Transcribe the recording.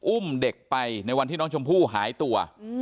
อุ้มเด็กไปในวันที่น้องชมพู่หายตัว